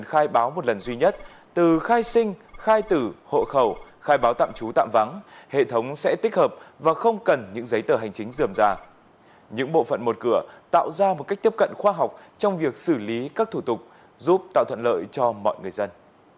khai báo một lần duy nhất từ khai sinh khai tử hộ khẩu khai báo tạm trú tạm vắng hệ thống sẽ tích hợp và không cần những giấy tờ hành chính dườm ra những bộ phận một cửa tạo ra một cách tiếp cận khoa học trong việc xử lý các thủ tục giúp tạo thuận lợi cho mọi người dân